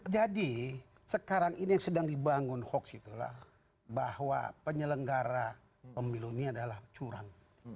jadi sekarang ini yang sedang dibangun hoax itulah bahwa penyelenggara pemilu ini adalah curang